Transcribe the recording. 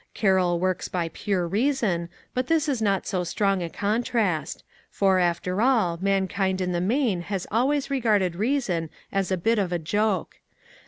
Carroll works by the pure reason, but this is not so strong a contrast; for, after all, mankind in the main has always regarded reason as a bit of a joke.